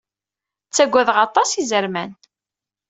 Ttagadeɣ aṭas izerman.